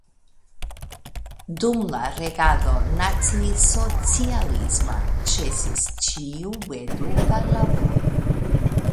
Dum la regado nacisocialisma ĉesis ĉiu eduka laboro.